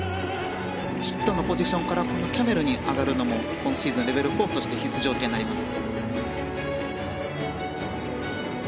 シットのポジションからキャメルに上がるのも今シーズン、レベル４として必須条件となります。